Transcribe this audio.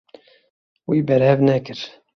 Wî berhev nekir.